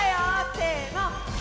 せの！